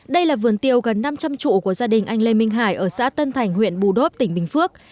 đây là vườn tiêu gần năm trăm linh trụ của gia đình anh lê minh hải ở xã tân thành huyện bù đốp tỉnh bình phước